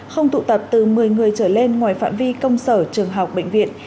không tụ tập từ một mươi người trở lên ngoài phạm vi công sở trường học bệnh viện